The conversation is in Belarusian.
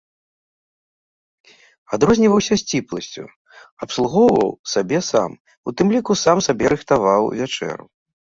Адрозніваўся сціпласцю, абслугоўваў сабе сам, у тым ліку сам сабе рыхтаваў вячэру.